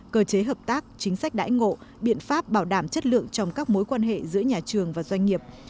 cơ chế hợp tác chính sách đãi ngộ biện pháp bảo đảm chất lượng trong các mối quan hệ giữa nhà trường và doanh nghiệp